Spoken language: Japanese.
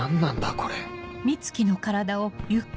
これ